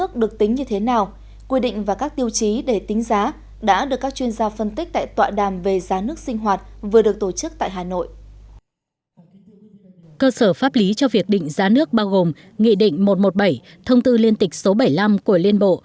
cơ sở pháp lý cho việc định giá nước bao gồm nghị định một trăm một mươi bảy thông tư liên tịch số bảy mươi năm của liên bộ